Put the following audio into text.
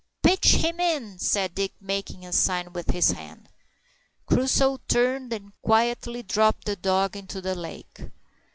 "Pitch him in," said Dick, making a sign with his hand. Crusoe turned and quietly dropped the dog into the lake.